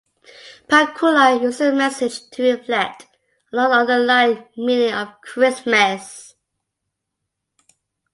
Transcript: Pakula used his message to reflect on the underlying meaning of Christmas.